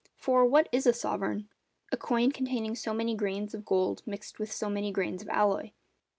For, What is a sovereign? A coin containing so many grains of gold mixed with so many grains of alloy.